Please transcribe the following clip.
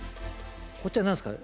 こっちは何ですか？